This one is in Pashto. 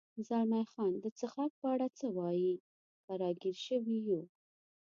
زلمی خان: د څښاک په اړه څه وایې؟ که را ګیر شوي یو.